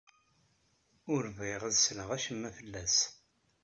Ur bɣiɣ ad sleɣ acemma fell-as.